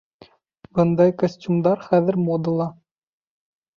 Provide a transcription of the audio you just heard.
Бындай костюмдар хәҙер модала